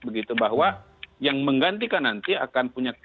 begitu bahwa yang menggantikan nanti akan punya